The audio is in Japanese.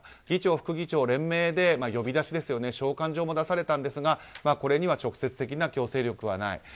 議長、副議長連名で召喚状も出されたんですがこれには直接的な強制力はない。